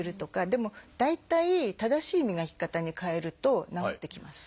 でも大体正しい磨き方に変えると治ってきます。